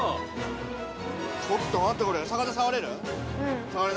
ちょっと待って、これ。